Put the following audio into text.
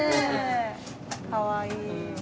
かわいい。